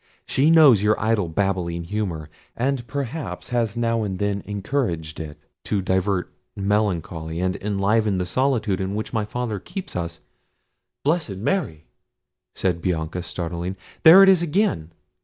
She knows your idle babbling humour, and perhaps has now and then encouraged it, to divert melancholy, and enliven the solitude in which my father keeps us—" "Blessed Mary!" said Bianca, starting, "there it is again!